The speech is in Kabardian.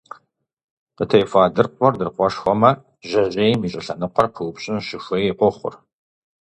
Къытехуа дыркъуэр дыркъуэшхуэмэ, жьэжьейм и щӏылъэныкъуэр пыупщӏын щыхуеи къохъур.